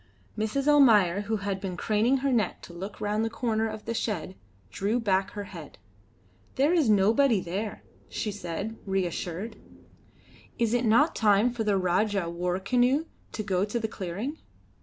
Mrs. Almayer, who had been craning her neck to look round the corner of the shed, drew back her head. "There is nobody there," she said, reassured. "Is it not time for the Rajah war canoe to go to the clearing?"